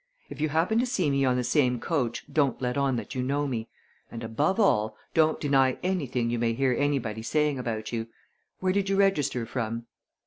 If you happen to see me on the same coach, don't let on that you know me, and, above all, don't deny anything you may hear anybody saying about you. Where did you register from?"